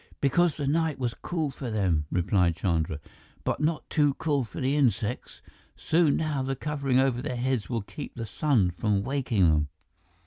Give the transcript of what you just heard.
"Because the night was cool for them," replied Chandra, "but not too cool for the insects. Soon, now, the covering over their heads will keep the sun from waking them."